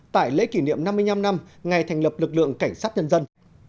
tại lễ kỷ niệm năm mươi năm năm ngày thành lập lực lượng cảnh sát nhân dân